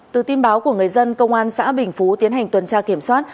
từ tin báo của người dân công an xã bình phú tiến hành tuần tra kiểm soát